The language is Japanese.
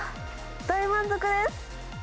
大満足です。